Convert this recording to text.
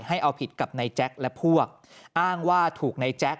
ให้เอาผิดกับนายแจ็คและพวกอ้างว่าถูกในแจ๊ค